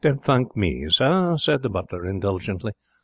'Don't thank me, sir,' said the butler, indulgently.